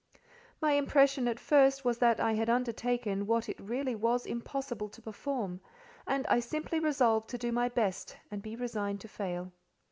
My impression at first was that I had undertaken what it really was impossible to perform, and I simply resolved to do my best and be resigned to fail.